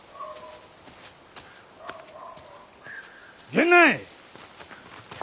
・源内。